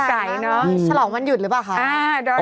ฉลองวันหยุดหรือเปล่าคะ